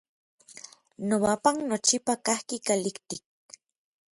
Nobapan nochipa kajki kalijtik.